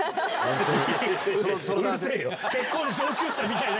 うるせぇよ！